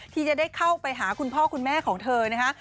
ที่จะได้เข้าไปหาคุณพ่อคุณแม่ของเธอนะคะ